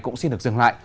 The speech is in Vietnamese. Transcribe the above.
cũng xin được dừng lại